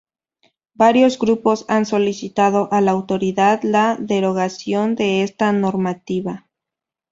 Varios grupos han solicitado a la autoridad la derogación de esta normativa